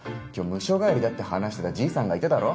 ムショ帰りだって話してたじいさんがいただろ。